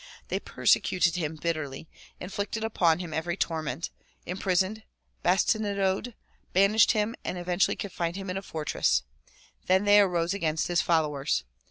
They persecuted him bitterly, inflicted upon him every torment, imprisoned, bas tinadoed, banished him and eventually confined him in a fortress. Then they arose against his followers.